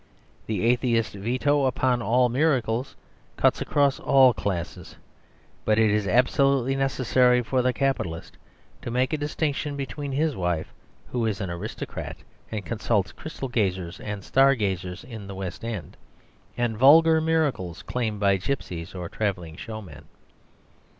The Atheist veto upon all miracles cuts across all classes. But it is absolutely necessary for the capitalist to make a distinction between his wife (who is an aristocrat and consults crystal gazers and star gazers in the West End), and vulgar miracles claimed by gipsies or travelling showmen.